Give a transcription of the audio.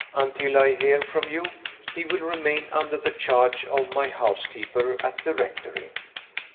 Until I hear from you, he will remain under the charge of my housekeeper at the rectory.